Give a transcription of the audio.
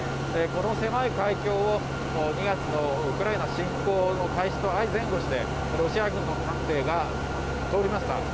この狭い海峡を２月のウクライナ侵攻開始と相前後してロシア軍の艦艇が通りました。